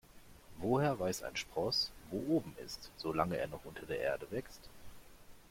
Woher weiß ein Spross, wo oben ist, solange er noch unter der Erde wächst?